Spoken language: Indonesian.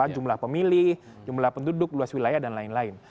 jumlah pemilih jumlah penduduk luas wilayah dan lain lain